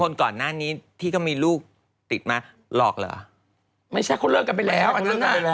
คนก่อนหน้านี้ที่ก็มีลูกติดมาหลอกเหรอไม่ใช่เขาเลิกกันไปแล้วอันนั้นน่ะ